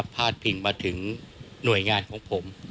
พาดพิงมาถึงหน่วยงานของผม